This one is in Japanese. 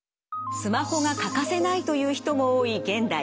スマホが欠かせないという人も多い現代。